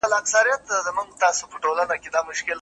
ایا څېړنه د ادب ځانګړي څانګه نه ده؟